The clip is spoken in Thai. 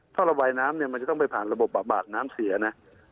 ทอระบายน้ำจะต้องไปผ่านระบบบาดน้ำเสียนะ